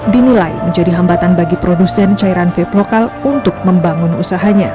dinilai menjadi hambatan bagi produsen cairan vape lokal untuk membangun usahanya